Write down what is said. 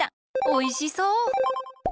おいしそう！